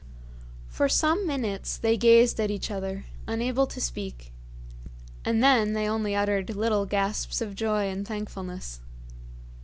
For some minutes they gazed at each other, unable to speak, and then they only uttered little gasps of joy and thankfulness.